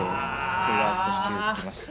それは少し傷つきました。